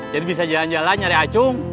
jadi bisa jalan jalan nyari acung